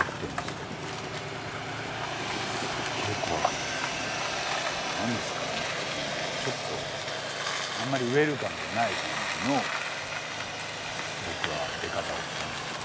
すっげえ怖くて「何ですか？」みたいな感じでちょっとあんまりウエルカムじゃない感じの僕は出方をしたんですけど。